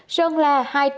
sơn la hai trăm bảy mươi ba